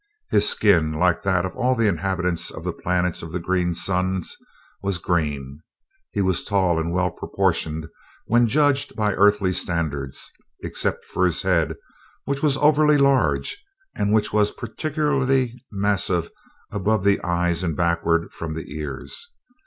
His skin, like that of all the inhabitants of the planets of the green suns, was green. He was tall and well proportioned when judged by Earthly standards, except for his head, which was overly large, and which was particularly massive above the eyes and backward from the ears.